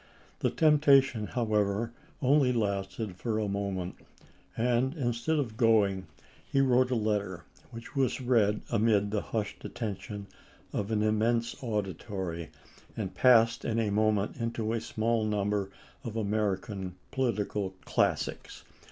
The temptation, how ever, only lasted for a moment; and instead of going, he wrote a letter which was read amid the hnshed attention of an immense anditory, and passed in a moment into the small number of American political classics.